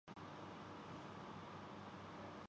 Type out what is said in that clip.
یہ وہ جنس ہے جو بازار سیاست میں مدت سے نایاب ہے۔